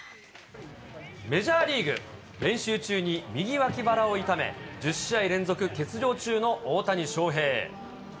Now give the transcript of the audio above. メジャーリーグ、練習中に右脇腹を痛め、１０試合連続欠場中の大谷翔平。